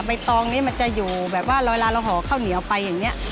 ตองนี้มันจะอยู่แบบว่าลอยเวลาเราห่อข้าวเหนียวไปอย่างนี้